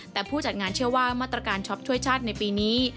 แต่ผู้จัดงานเชื่อว่ามาตรการช็อปช่วยชาติในปีนี้